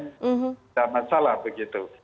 tidak masalah begitu